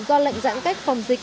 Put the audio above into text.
do lệnh giãn cách phòng dịch